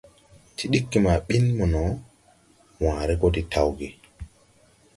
Ti ɗiggi ma ɓin mono, wããre gɔ de tawge.